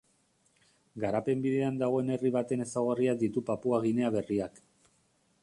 Garapen bidean dagoen herri baten ezaugarriak ditu Papua Ginea Berriak.